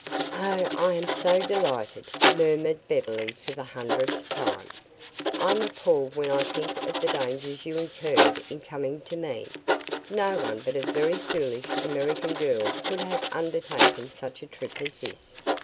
"Oh, I am so delighted," murmured Beverly for the hundredth time. "I'm appalled when I think of the dangers you incurred in coming to me. No one but a very foolish American girl could have undertaken such a trip as this.